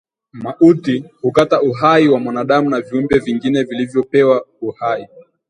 Mauti hukata uhai wa mwanadamu na viumbe vingine vilivyopewa uhai